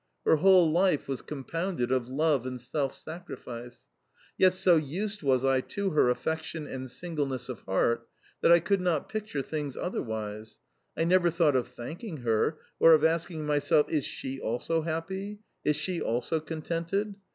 Her whole life was compounded of love and self sacrifice. Yet so used was I to her affection and singleness of heart that I could not picture things otherwise. I never thought of thanking her, or of asking myself, "Is she also happy? Is she also contented?"